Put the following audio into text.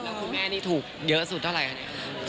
แล้วคุณแม่นี่ถูกเยอะสุดเท่าไรครับแม่